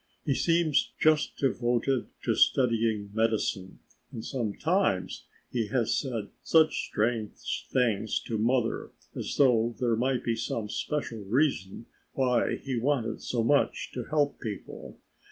He seems just devoted to studying medicine, and sometimes he has said such strange things to mother as though there might be some special reason why he wanted so much to help people."